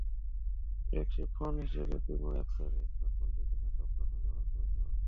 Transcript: Flagship phone হিসেবে Primo X four স্মার্টফোনটিতে ধাতব কাঠামো ব্যবহার করেছে ওয়ালটন।